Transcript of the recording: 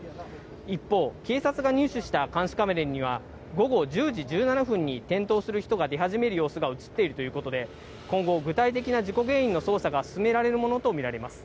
一方、警察が入手した監視カメラには午後１０時１７分に転倒する人が出始める様子が映っているということで、今後、具体的な事故原因の捜査が進められるものとみられます。